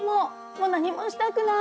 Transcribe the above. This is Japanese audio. もう何もしたくない！